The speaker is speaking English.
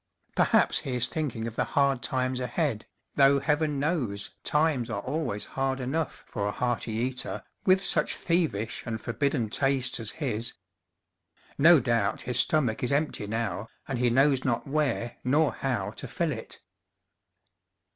Perhaps he is thinking of the hard times ahead though heaven knows times are always hard enough for a hearty eater, with such thievish and forbidden tastes as his! No doubt his stomach is empty now, and he knows not where nor how to fill it.